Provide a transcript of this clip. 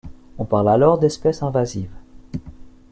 On parle alors d'espèces invasives.